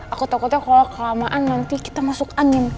aku takutnya kalau kelamaan nanti kita masuk angin